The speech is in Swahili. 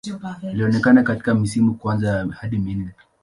Alionekana katika misimu ya kwanza hadi minne.